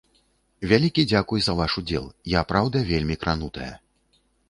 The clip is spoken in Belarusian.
Вялікі дзякуй за ваш удзел, я праўда вельмі кранутая.